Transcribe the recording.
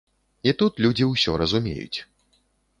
І тут людзі ўсё разумеюць.